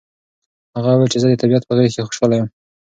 هغه وویل چې زه د طبیعت په غېږ کې خوشحاله یم.